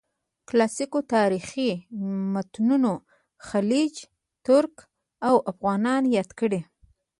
کلاسیکو تاریخي متونو خلج، ترک او افغان یاد کړي.